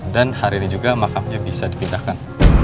dan hari ini juga makamnya bisa dipindahkan